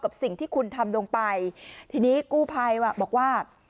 กับสิ่งที่คุณทำลงไปทีนี้กู้ภัยอ่ะบอกว่า